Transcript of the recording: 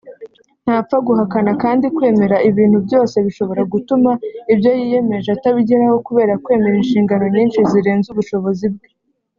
ntapfa guhakana kandi kwemera ibintu byose bishobora gutuma ibyo yiyemeje atabigeraho kubera kwemera inshingano nyinshi rizerenze ubushobozi bwe